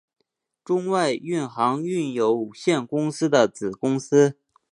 中外运航运有限公司的子公司。